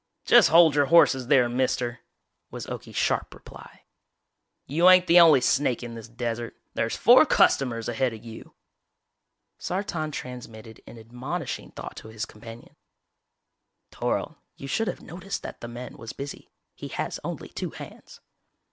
"Just hold your horses there, mister!" was Okie's sharp reply. "You ain't the only snake in this desert. There's four customers ahead of you!" Sartan transmitted an admonishing thought to his companion. "_Toryl, you should have noticed that the man was busy. He has only two hands.